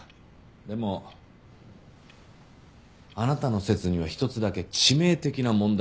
でもあなたの説には一つだけ致命的な問題がある。